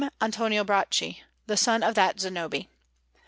Antonio Bracci, the son of that Zanobi.